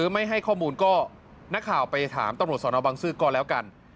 ไม่ให้ข้อมูลก็นักข่าวไปถามตำรวจสนบังซื้อก่อนแล้วกัน